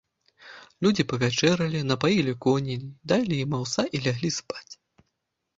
Людзі павячэралі, напаілі коней, далі ім аўса і ляглі спаць.